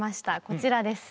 こちらです。